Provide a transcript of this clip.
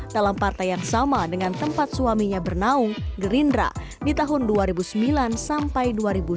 dalam partai yang sama dengan tempat suaminya bernaung gerindra di tahun dua ribu sembilan sampai dua ribu sembilan belas